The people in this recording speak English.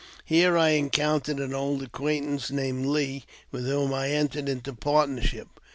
Here I encountered an old acquaintance, named Lee, with whom I entered into partnership.